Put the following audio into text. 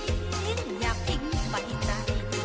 แล้วก็จะได้แบบนี้นะครับ